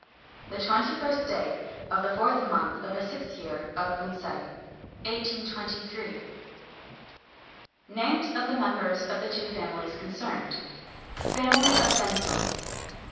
The twenty first day of the Fourth Month of the Sixth Year ofBunsei . [Copy.] 5. — [Names of the JMembers of the two Fam ilies CONCERNED.] \_Family of Genzo.